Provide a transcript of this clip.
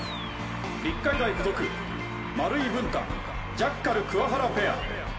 立海大附属丸井ブン太・ジャッカル桑原ペア。